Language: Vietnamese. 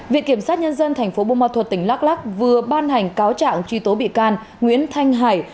việc kiểm soát nhân dân thành phố buôn ma thuật tỉnh lắc lắc vừa ban hành cáo trạng truy tố bị can nguyễn thanh hải